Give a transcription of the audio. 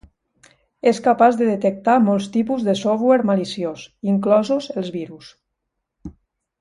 És capaç de detectar molts tipus de software maliciós, inclosos els virus.